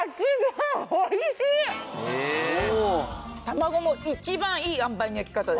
卵も一番いいあんばいの焼き方です。